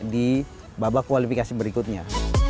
di babak kualifikasi berikutnya